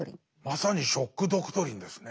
まさに「ショック・ドクトリン」ですね。